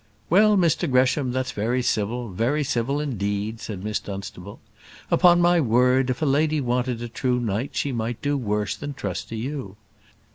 "Well, Mr Gresham, that's very civil very civil indeed," said Miss Dunstable. "Upon my word, if a lady wanted a true knight she might do worse than trust to you.